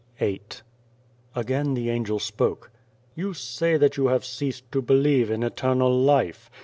104 VIII AGAIN the Angel spoke :" You say that you have ceased to believe in Eternal Life.